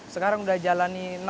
sekarang sudah jalani enam tahun